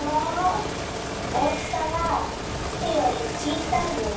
大きさはてよりちいさいよ。